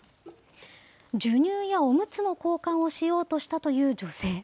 授乳やおむつの交換をしようとしたという女性。